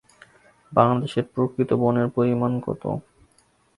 বাংলাদেশের প্রকৃত বনের পরিমাণ কত?